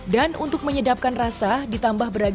dan untuk menyedapkan rasa ditambah beragamnya